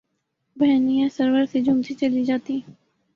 ہہنیاں سرور سے جھومتی چلی جاتیں